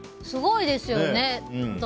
すごいですよね。